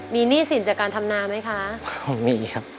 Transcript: มีหนี้สินจากการทำนาไหมคะมีครับ